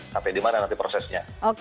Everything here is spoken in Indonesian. sampai dimana nanti prosesnya